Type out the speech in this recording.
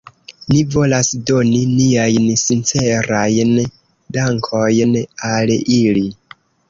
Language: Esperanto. Ni volas doni niajn sincerajn dankojn al ili.